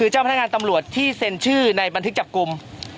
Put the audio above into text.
เจ้าพนักงานตำรวจที่เซ็นชื่อในบันทึกจับกลุ่ม